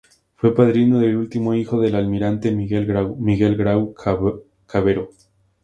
Fue padrino del último hijo del almirante Miguel Grau, Miguel Grau Cabero.